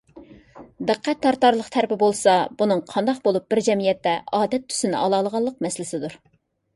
دىققەت تارتارلىق تەرىپى بولسا، بۇنىڭ قانداق بولۇپ بىر جەمئىيەتتە ئادەت تۈسىنى ئالالىغانلىق مەسىلىسىدۇر.